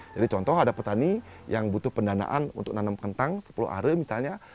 jadi contoh ada petani yang butuh pendanaan untuk nanam kentang sepuluh are misalnya